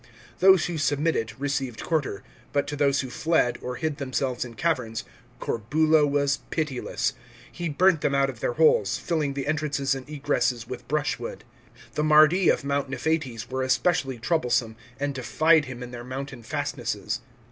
Those who submitted, received quarter ; but to those who fled, or hid themselves in caverns, Corbulo was pitiless. He burnt them out of their holes, filling the entrances aiid egresses with brush wood. The Mardi of Mount Niphates were especially troublesome, and defied him in their mountain fastnesses.